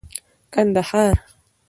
کندهار